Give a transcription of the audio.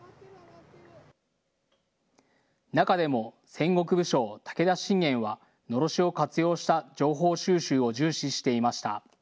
中でも戦国武将・武田信玄はのろしを活用した情報収集を重視していました。